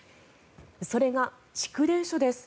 それが、蓄電所です。